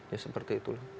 ya seperti itu lah